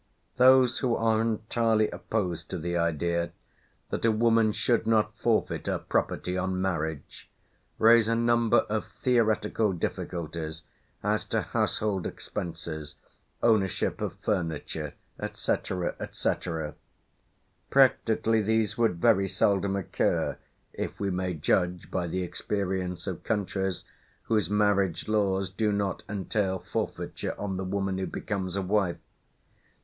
Those who are entirely opposed to the idea that a woman should not forfeit her property on marriage, raise a number of theoretical difficulties as to household expenses, ownership of furniture, &c., &c. Practically these would very seldom occur, if we may judge by the experience of countries whose marriage laws do not entail forfeiture on the woman who becomes a wife.